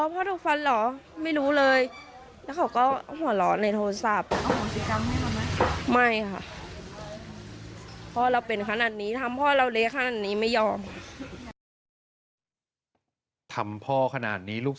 พ่อเราเป็นขนาดนี้